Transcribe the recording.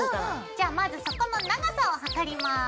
じゃあまずそこの長さをはかります。